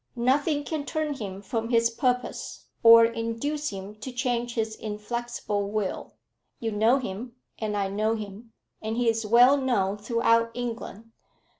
Nothing can turn him from his purpose, or induce him to change his inflexible will. You know him, and I know him, and he is well known throughout England.